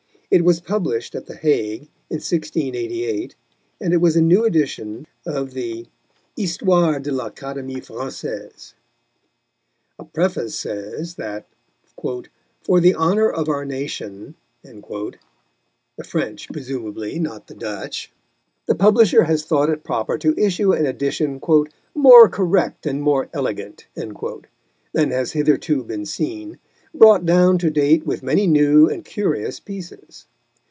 It was published at The Hague in 1688, and it was a new edition of the Histoire de l'Académie Française. A preface says that "for the honour of our nation" (the French, presumably, not the Dutch), the publisher has thought it proper to issue an edition "more correct and more elegant" than has hitherto been seen, brought down to date with many new and curious pieces.